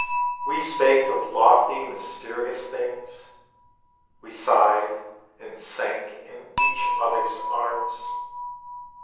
We spake of lofty, mysterious things, We sighed and sank in each other's arms.